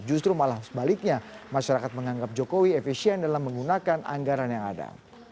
justru malah sebaliknya masyarakat menganggap jokowi efisien dalam menggunakan anggaran yang ada